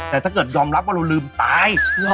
แต่ถ้าเกิดยอมรับว่าเราลืมตาย